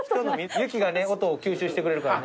雪がね音を吸収してくれるからね。